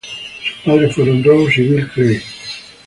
Sus padres fueron Rose y Bill Clay.